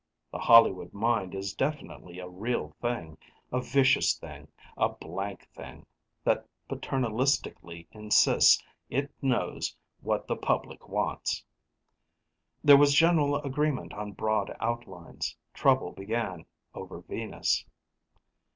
The Hollywood Mind is definitely a real thing, a vicious thing, a blank thing, that paternalistically insists It knows what the public wants. There was general agreement on broad outlines. Trouble began over Venus.